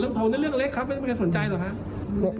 เผานั่นเรื่องเล็กครับไม่ได้สนใจหรอกครับ